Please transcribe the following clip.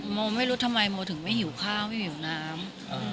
โมไม่รู้ทำไมโมถึงไม่หิวข้าวไม่หิวน้ำ